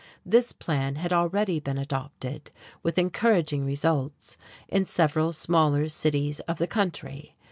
This plan had already been adopted, with encouraging results, in several smaller cities of the country.